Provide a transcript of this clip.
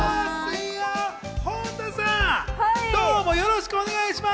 本田さん、どうもよろしくお願いします。